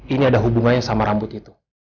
ini ada hubungannya sama rambut itu